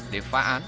để phá án